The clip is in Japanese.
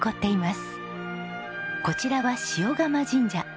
こちらは鹽竈神社。